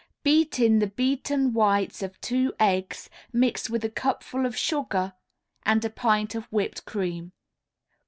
Beat in the beaten whites of two eggs mixed with a cupful of sugar and a pint of whipped cream.